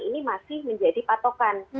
ini masih menjadi patokan